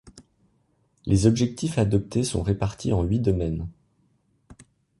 Les objectifs adoptés sont répartis en huit domaines.